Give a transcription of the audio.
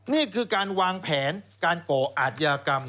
นี่คือการวางแผนการก่ออาธิบัน